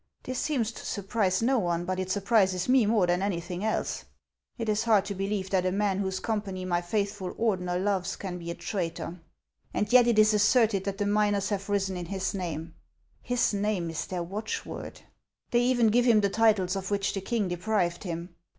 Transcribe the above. This seems to surprise no one, but it surprises me more than anything else. It is hard to believe that a man whose company my faithful Ordener loves can be a traitor ; arid yet it is asserted that the miners have risen in his name, — his name is their watch word. They even give him the titles of which the king deprived him.